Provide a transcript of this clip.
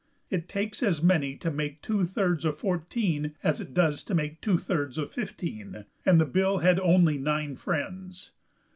It takes as many to make two thirds of fourteen as it does to make two thirds of fifteen, and the bill had only nine friends.